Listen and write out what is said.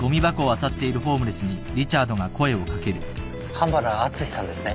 半原敦さんですね。